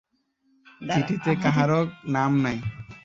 চিঠিতে কাহারো নাম নাই।